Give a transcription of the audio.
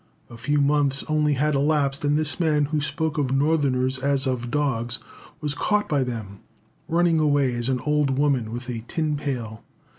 A few months only had elapsed, and this man who spoke of Northerners as of dogs, was caught by them running away as an old woman with a tin pail.